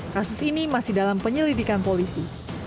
kasus ini masih dalam penyelidikan polisi